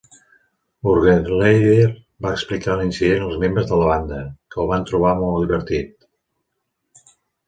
Ungerleider va explicar l'incident als membres de la banda, que el van trobar molt divertit.